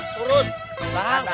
tang turun tang turun